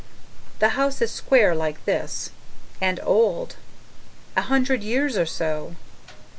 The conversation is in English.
The house is square like this: And OLD. A hundred years or so.